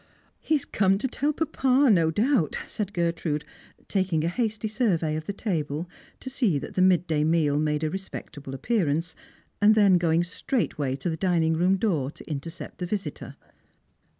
" He has come to tell papa, no doubt," said Gertnade, tating a hasty survey of the table, to see that the mid day meal made a respectable appearance, and then going straightway to the dining room door, to intercept the visitor.